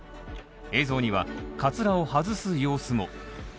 映像には、かつらを外す様子も。